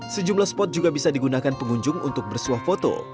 sejumlah spot juga bisa digunakan pengunjung untuk bersuah foto